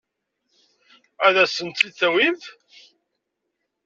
Ad asen-tt-id-tawimt?